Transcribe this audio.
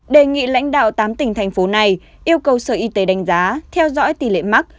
đề nghị lãnh đạo tám tỉnh thành phố này yêu cầu sở y tế đánh giá theo dõi tỷ lệ mắc